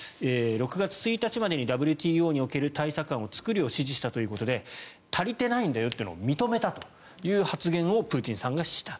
６月１日までにＷＴＯにおける対策案を作るよう指示したということで足りてないんだよということを認めたという発言をプーチンさんがした。